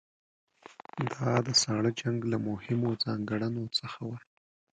دا د ساړه جنګ له مهمو ځانګړنو څخه وه.